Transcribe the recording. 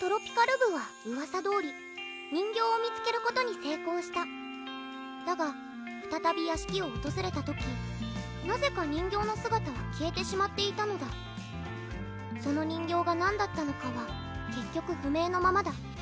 部はうわさどおり人形を見つけることに成功しただがふたたび屋敷をおとずれた時なぜか人形の姿は消えてしまっていたのだその人形が何だったのかは結局不明のままだ